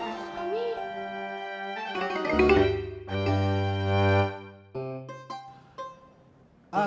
ini kapan suaranya tidak jelas